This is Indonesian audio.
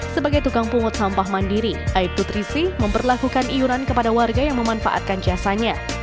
sebagai tukang pungut sampah mandiri aibtu trisi memperlakukan iuran kepada warga yang memanfaatkan jasanya